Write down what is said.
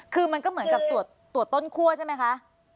คือมันก็เหมือนกับตรวจต้นคั่วใช่ไหมคะ